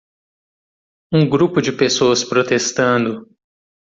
Um grupo de pessoas protestando.